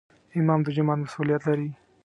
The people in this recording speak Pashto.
امام د جومات مسؤولیت لري